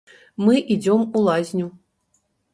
Мы ідзём у лазню!